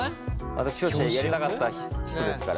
私教師をやりたかった人ですから。